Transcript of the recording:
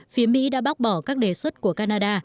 phía mỹ đã bác bỏ các đề xuất của canada